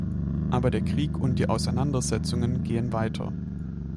Aber der Krieg und die Auseinandersetzung gehen weiter.